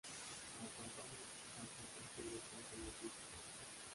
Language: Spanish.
La campaña tampoco estuvo exenta de críticas.